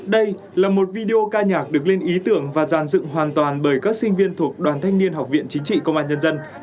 đây là một video ca nhạc được lên ý tưởng và giàn dựng hoàn toàn bởi các sinh viên thuộc đoàn thanh niên học viện chính trị công an nhân dân